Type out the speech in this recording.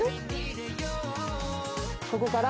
ここから